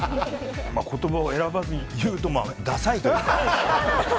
まあ、ことばを選ばずに言うと、ダサいというか。